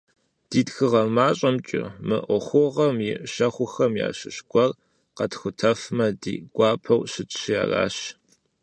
Ди тхыгъэ мащӏэмкӏэ мы ӏуэхугъуэм и щэхухэм ящыщ гуэр къэтхутэфмэ, ди гуапэу щытщи аращ.